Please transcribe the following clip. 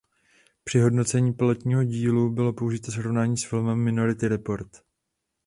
Při hodnocení pilotního dílu bylo použito srovnání s filmem "Minority Report".